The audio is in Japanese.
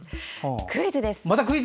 クイズです！